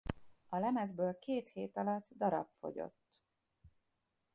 A lemezből két hét alatt darab fogyott.